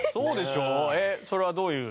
えっそれはどういう？